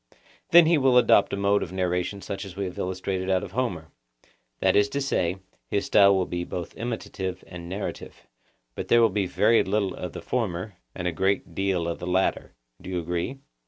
Then he will adopt a mode of narration such as we have illustrated out of Homer, that is to say, his style will be both imitative and narrative; but there will be very little of the former, and a great deal of the latter. Do you agree?